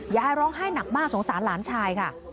ยายร้องไห้หนักมากสงสารหลานชายค่ะ